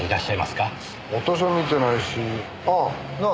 私は見てないしああなあ。